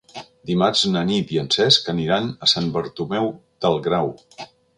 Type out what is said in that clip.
Dimarts na Nit i en Cesc aniran a Sant Bartomeu del Grau.